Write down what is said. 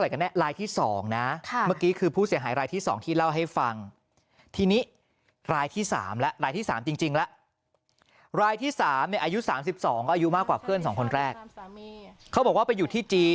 ครอบครัวฝั่งสามีต้อนรับขับสู้